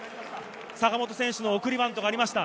坂本選手の送りバントがありました。